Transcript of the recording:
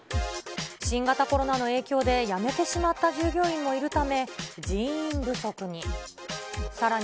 新型コロナの影響で辞めてしまった従業員もいるため、人員不足に。